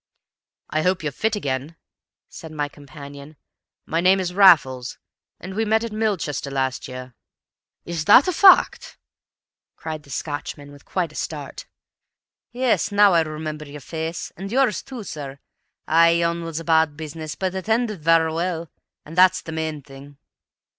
"I hope you're fit again," said my companion. "My name is Raffles, and we met at Milchester last year." "Is that a fact?" cried the Scotchman, with quite a start. "Yes, now I remember your face, and yours too, sir. Ay, yon was a bad business, but it ended vera well, an' that's the main thing."